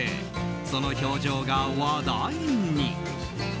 その表情が話題に。